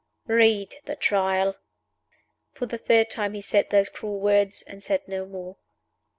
"Read the Trial." For the third time he said those cruel words, and said no more.